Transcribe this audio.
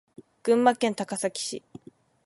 群馬県高崎市